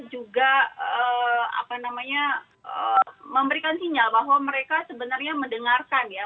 juga memberikan sinyal bahwa mereka sebenarnya mendengarkan ya